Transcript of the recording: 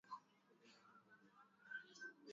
Na kuogezeka hadi kukaribia kupita kiasi kinachohitaji